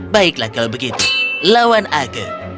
baiklah kalau begitu lawan aku